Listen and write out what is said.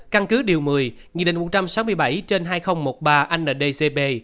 căn cứ điều một mươi nghị định một trăm sáu mươi bảy trên hai nghìn một mươi ba ndcp